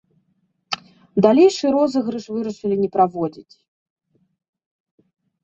Далейшы розыгрыш вырашылі не праводзіць.